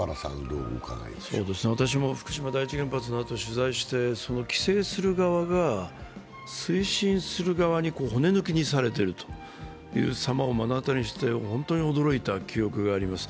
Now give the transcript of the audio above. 私も福島第一原発のあとを取材して規制する側が、推進する側に骨抜きにされているということに本当に驚いた記憶があります。